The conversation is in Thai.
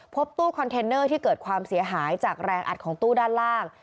พบตู้คอนเทนเนอร์ที่เกิดความเสียหายจากแรงอัดของตู้ด้านล่าง